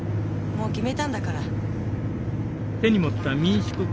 もう決めたんだから。